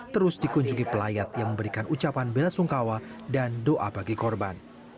terus dikunjungi pelayat yang memberikan ucapan bela sungkawa dan doa bagi korban